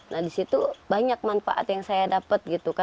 nah disitu banyak manfaat yang saya dapat gitu